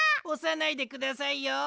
おさないでくださいよ。